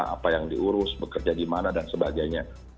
apa yang diurus bekerja di mana dan sebagainya